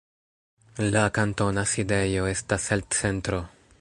La kantona sidejo estas El Centro.